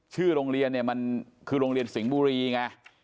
ชื่อโรงเรียนคือโรงเรียนสิงห์บุรีไง